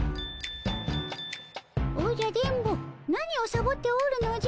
おじゃ電ボ何をサボっておるのじゃ。